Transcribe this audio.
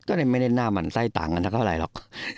ก็เลยไม่ได้หน้าหมั่นไส้ต่างกันสักเท่าไหร่หรอก